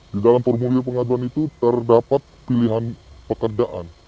di dalam formulir pengaduan itu terdapat pilihan pekerjaan